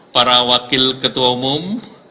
para wakil ketua umum